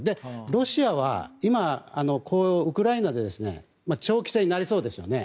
ロシアは今、ウクライナで長期戦になりそうですよね。